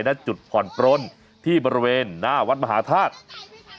และจุดผ่อนปลนที่บริเวณหน้าวัดมหาธาตุ